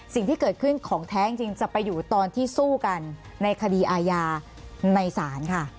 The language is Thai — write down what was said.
สิ่งที่เกิดขึ้นของแท้จริงจะไปอยู่ตอนที่สู้กันในคดีอาญาในศาลค่ะ